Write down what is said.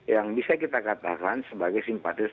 yang bisa kita katakan sebagai simpatis